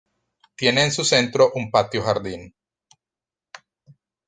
Tiene en su centro un patio-jardín.